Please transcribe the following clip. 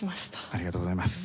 ありがとうございます。